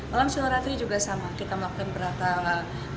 malam siwaratri juga sama kita melakukan berata penyepian